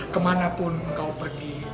kemanapun kau pergi